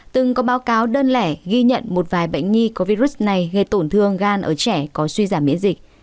từng có báo cáo đơn lẻ ghi nhận một vài bệnh nhi có virus này gây tổn thương gan ở trẻ có suy giảm miễn dịch